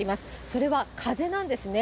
それは風なんですね。